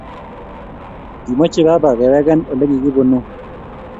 Kimoche baba kewegen olekigibunu